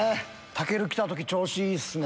健来た時調子いいっすね。